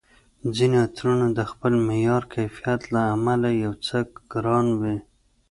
ځیني عطرونه د خپل معیار، کیفیت له امله یو څه ګران وي